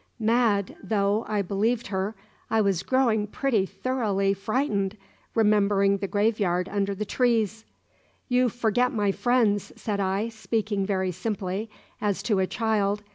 Mad though I believed her, I was growing pretty thoroughly frightened, remembering the graveyard under the trees. "You forget my friends," said I, speaking very simply, as to a child.